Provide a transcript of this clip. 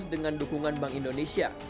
dengan dukungan bank indonesia